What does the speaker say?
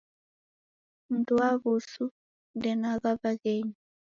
Mndu wa wusu ndenagha waghenyi